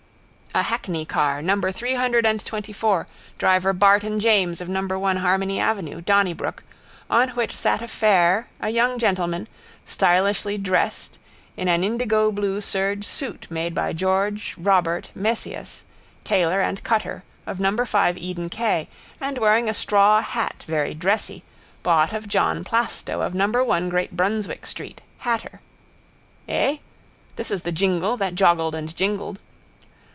A hackney car, number three hundred and twentyfour, driver Barton James of number one Harmony avenue, Donnybrook, on which sat a fare, a young gentleman, stylishly dressed in an indigoblue serge suit made by George Robert Mesias, tailor and cutter, of number five Eden quay, and wearing a straw hat very dressy, bought of John Plasto of number one Great Brunswick street, hatter. Eh? This is the jingle that joggled and jingled.